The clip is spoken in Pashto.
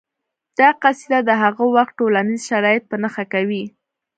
دا قصیده د هغه وخت ټولنیز شرایط په نښه کوي